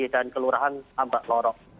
dan kelurahan ambak lorok